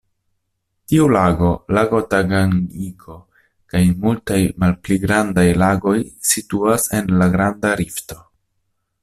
Tiu lago, lago Tanganjiko kaj multaj malpli grandaj lagoj situas en la Granda Rifto.